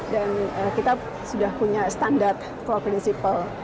dan kita sudah punya standar for principle